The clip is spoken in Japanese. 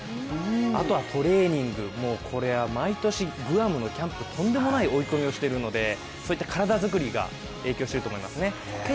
あとはトレーニング、これは毎年グアムのキャンプとんでもない追い込みをしているので、そういった体作りが影響していると思います。